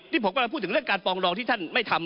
ที่ผมกำลังพูดถึงเรื่องการปองรองที่ท่านไม่ทำ